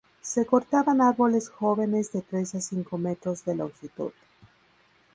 Se cortaban árboles jóvenes, de tres a cinco metros de longitud.